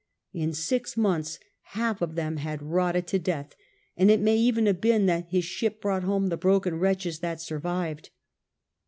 In six months half of them had rotted to death, and it may even have been that his ship brought home the broken wretches that survived.